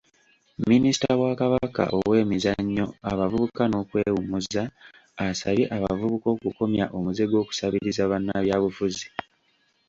Minisita wa Kabaka ow'emizannyo abavubuka n'okwewummuza, asabye abavubuka okukomya omuze gw'okusabiriza bannabyabufuzi.